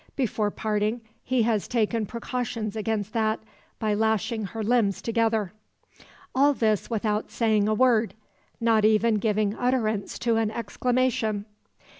Before parting he has taken precautions against that, by lashing her limbs together. All this without saying a word not even giving utterance to an exclamation!